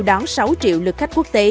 đón sáu triệu lượt khách quốc tế